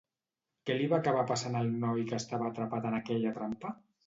Què li va acabar passant al noi que estava atrapat en aquella trampa?